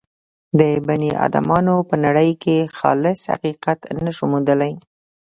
په بني ادمانو به نړۍ کې خالص حقیقت نه شو موندلای.